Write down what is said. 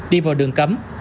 đi vào đường cấm